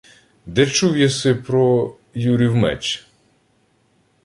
— Де чув єси про... Юрів меч?